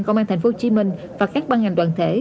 công an tp hcm và các ban ngành đoàn thể